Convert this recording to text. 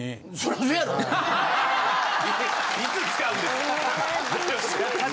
いつ使うんですか！？